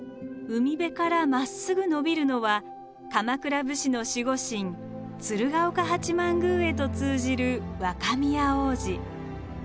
海辺からまっすぐ延びるのは鎌倉武士の守護神鶴岡八幡宮へと通じる若宮大路。